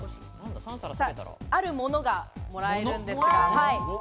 あるものが、もらえるんですが。